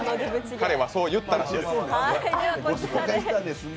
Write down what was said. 彼はそう言ったらしいです。